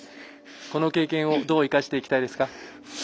この経験をどう生かしていきたいですか？